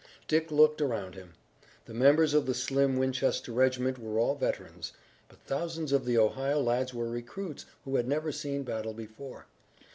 Dick looked around him. The members of the slim Winchester regiment were all veterans; but thousands of the Ohio lads were recruits who had never seen battle before.